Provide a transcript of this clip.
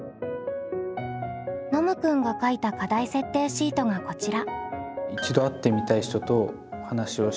ノムくんが書いた課題設定シートがこちら。